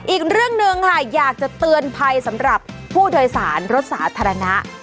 อีกเรื่องหนึ่งค่ะอยากจะเตือนภัยสำหรับผู้โดยสารรถสาธารณะ